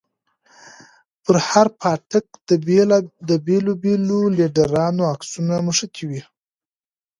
پر هر پاټک د بېلو بېلو ليډرانو عکسونه مښتي دي.